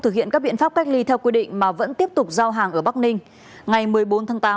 thực hiện các biện pháp cách ly theo quy định mà vẫn tiếp tục giao hàng ở bắc ninh ngày một mươi bốn tháng tám